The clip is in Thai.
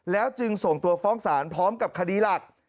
แล้วจึงส่งตัวฟ้องศาลพร้อมกับคดีหลัก